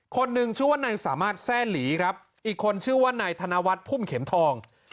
คนหนึ่งชื่อว่านายสามารถแทร่หลีครับอีกคนชื่อว่านายธนวัฒน์พุ่มเข็มทอง